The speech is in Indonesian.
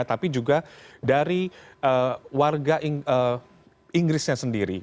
tapi juga dari warga inggrisnya sendiri